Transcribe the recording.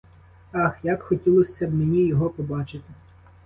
Ах, як хотілося б мені його побачити.